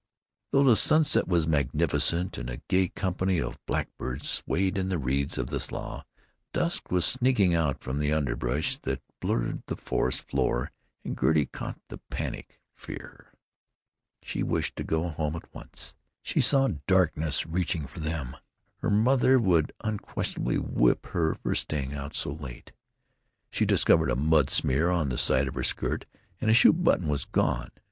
Though the sunset was magnificent and a gay company of blackbirds swayed on the reeds of the slough, dusk was sneaking out from the underbrush that blurred the forest floor, and Gertie caught the panic fear. She wished to go home at once. She saw darkness reaching for them. Her mother would unquestionably whip her for staying out so late. She discovered a mud smear on the side of her skirt, and a shoe button was gone.